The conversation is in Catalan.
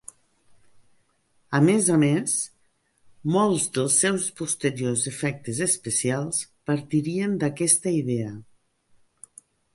A més a més, molts dels seus posteriors efectes especials partirien d'aquesta idea.